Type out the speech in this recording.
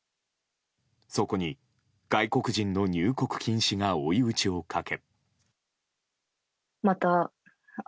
そこに外国人の入国禁止が追い打ちをかけ。